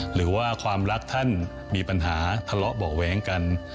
หรือว่าความรักท่านมีปัญหาทะเลาะเบาะแว้งกัน